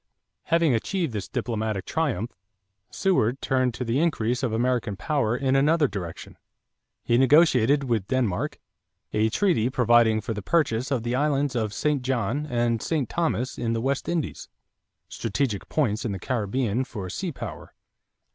= Having achieved this diplomatic triumph, Seward turned to the increase of American power in another direction. He negotiated, with Denmark, a treaty providing for the purchase of the islands of St. John and St. Thomas in the West Indies, strategic points in the Caribbean for sea power.